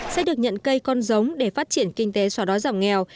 sẽ được nhận cây con giống để phát triển kinh tế xóa đói giảm nghèo